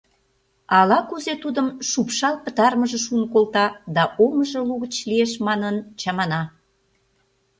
Ала-кузе тудым шупшал пытарымыже шуын колта да омыжо лугыч лиеш манын чамана.